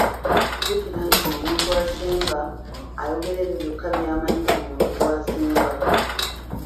Jjukira nti omuntu asemba, ayogera ebyo byokka by'amanyi ku muntu gw'asemba.